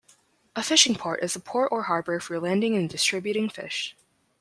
A fishing port is a port or harbor for landing and distributing fish.